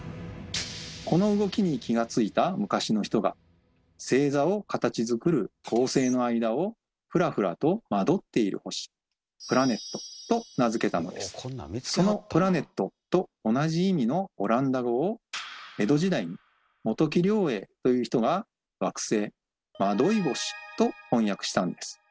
この動きに気が付いた昔の人が星座を形づくるその「プラネット」と同じ意味のオランダ語を江戸時代に本木良永という人が惑星「惑星」と翻訳したんです。